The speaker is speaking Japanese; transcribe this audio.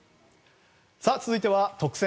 続いては特選！！